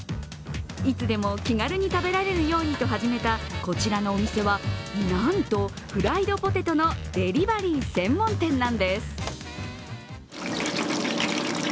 いつでも気軽に食べられるようにと始めたこちらのお店はなんとフライドポテトのデリバリー専門店なんです。